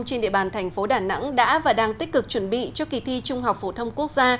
trên địa bàn thành phố đà nẵng đã và đang tích cực chuẩn bị cho kỳ thi trung học phổ thông quốc gia